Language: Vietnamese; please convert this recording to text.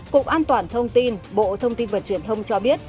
cục an toàn thông tin bộ thông tin và truyền thông cho biết